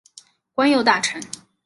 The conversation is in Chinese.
官右大臣。